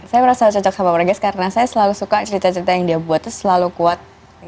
saya merasa cocok sama broges karena saya selalu suka cerita cerita yang dia buat itu selalu kuat